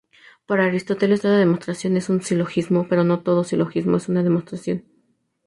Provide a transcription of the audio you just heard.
Para Aristóteles toda demostración es un silogismo, pero no todo silogismo es una demostración.